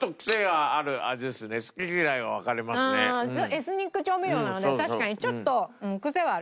エスニック調味料なので確かにちょっとクセはある。